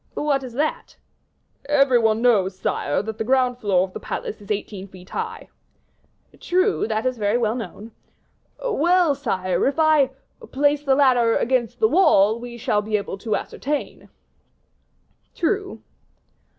"What is that?" "Every one knows, sire, that the ground floor of the palace is eighteen feet high." "True, that is very well known." "Well, sire, if I place the ladder against the wall, we shall be able to ascertain." "True."